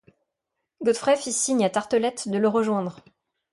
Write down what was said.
Godfrey fit signe à Tartelett de le rejoindre.